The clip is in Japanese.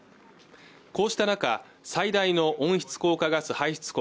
こうした中最大の温室効果ガス排出国